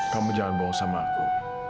kamu jangan bawa sama aku